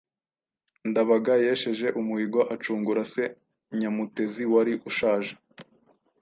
Ndabaga yesheje umuhigo acungura se Nyamutezi wari ushaje,